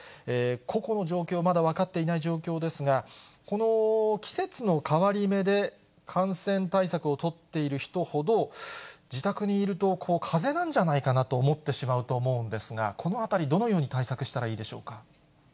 個々の状況、まだ分かっていない状況ですが、この季節の変わり目で感染対策を取っている人ほど、自宅にいるとかぜなんじゃないかなと思ってしまうと思うんですが、このあたり、どのように対策したらいいでしょうか。